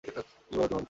কী বল তুমি অন্তু!